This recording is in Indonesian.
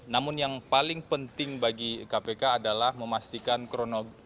namun yang paling penting bagi kpk adalah memastikan kronologi